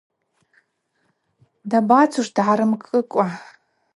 Дабацуш, дгӏарымкӏыкӏва.